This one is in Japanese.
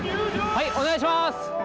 はいお願いします！